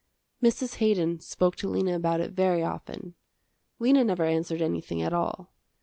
Mrs. Haydon spoke to Lena about it very often. Lena never answered anything at all.